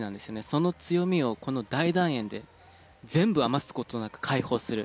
その強みをこの大団円で全部余す事なく解放する。